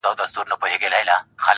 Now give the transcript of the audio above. سایه یې نسته او دی روان دی.